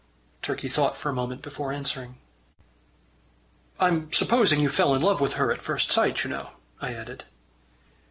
Turkey thought for a moment before answering. "I'm supposing you fell in love with her at first sight, you know," I added.